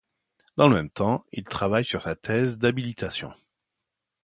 Dans le même temps il travaille sur sa thèse d'habilitation.